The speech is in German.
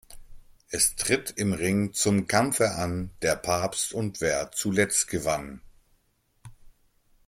Es tritt im Ring zum Kampfe an: Der Papst und wer zuletzt gewann.